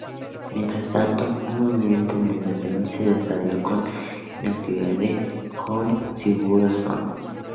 Mientras tanto, un movimiento de independencia se desarrolló con la iniciativa de Jón Sigurðsson.